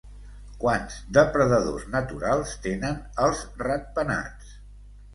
Quants depredadors naturals tenen els ratpenats?